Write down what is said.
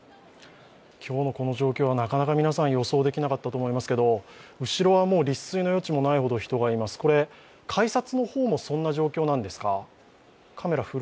今日のこの状況はなかなか皆さん予想できなかったと思いますけど後ろは立錐の余地もないほど人がいますが、改札の方もそんな状況ですか？